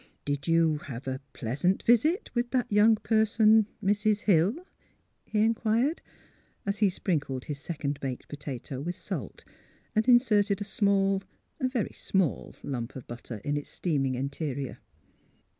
'' Did you — er — have a pleasant visit with that young person — Mrs. Hill! " he inquired, as he sprinkled his second baked potato with salt and inserted a small — a very small — lump of butter in its steaming interior.